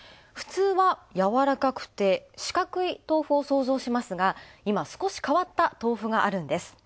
普通はやわらかくて四角い豆腐を想像しますが、今、少し変わった豆腐があるんです。